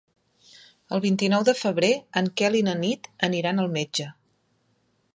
El vint-i-nou de febrer en Quel i na Nit aniran al metge.